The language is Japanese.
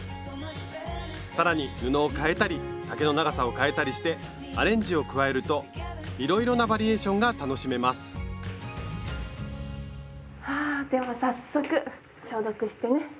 更に布を変えたり丈の長さを変えたりしてアレンジを加えるといろいろなバリエーションが楽しめますはでは早速消毒してね。